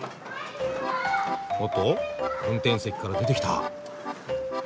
おっと運転席から出てきた。